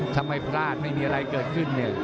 ถ้าไม่พลาดไม่มีอะไรเกิดขึ้นเนี่ย